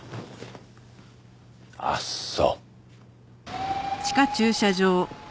あっそ！